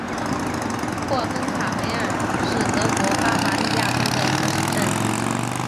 霍亨卡梅尔是德国巴伐利亚州的一个市镇。